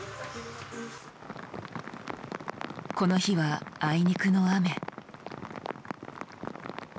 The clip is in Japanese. この日はあいにくの雨。